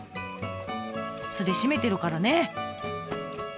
酢で締めてるからね。